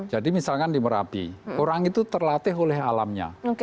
jadi misalkan di merapi orang itu terlatih oleh alamnya